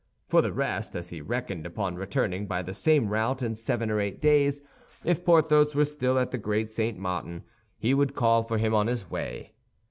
For the rest, as he reckoned upon returning by the same route in seven or eight days, if Porthos were still at the Great St. Martin, he would call for him on his way.